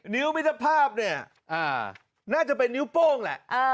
มิตรภาพเนี่ยน่าจะเป็นนิ้วโป้งแหละ